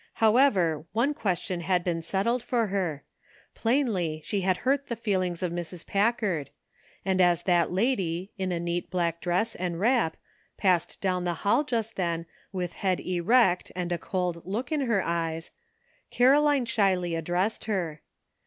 However, one question had been settled for her. Plainly, she had hurt the feelings of Mrs. Packard, and as that lady, in a neat black dress and wrap, passed down the hall just then with head erect and a cold look in her eyes, Caroline shyly addressed her.